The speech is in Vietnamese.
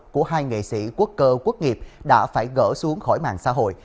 của hai nghệ sĩ quốc cơ quốc nghiệp đã phải gỡ xuống khỏi mạng xã hội